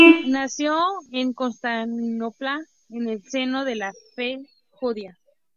Nació en Constantinopla en el seno de la fe judía.